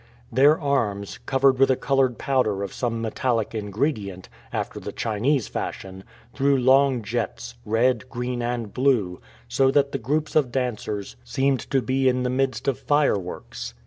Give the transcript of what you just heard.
Their arms, covered with a colored powder of some metallic ingredient, after the Chinese fashion, threw long jets red, green, and blue so that the groups of dancers seemed to be in the midst of fireworks.